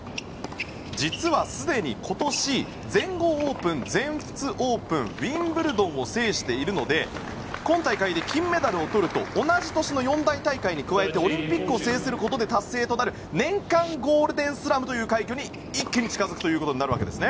実はすでに今年全豪オープン、全仏オープンウィンブルドンを制しているので今大会で金メダルをとると同じ年の四大大会に加えてオリンピックを制することで達成となる年間ゴールデンスラムという快挙に一気に近づくことになるんですね。